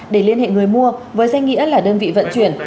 để liên hệ người mua với danh nghĩa là đơn vị vận chuyển